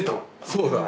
そうだ。